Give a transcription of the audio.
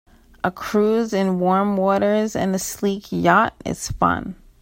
A cruise in warm waters in a sleek yacht is fun.